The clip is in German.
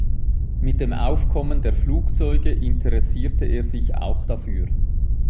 Mit dem Aufkommen der Flugzeuge interessierte er sich auch dafür.